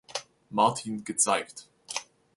Martin gezeigt.